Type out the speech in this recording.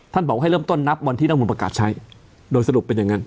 บอกให้เริ่มต้นนับวันที่น้ำมูลประกาศใช้โดยสรุปเป็นอย่างนั้น